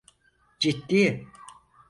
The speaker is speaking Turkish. Ciddi.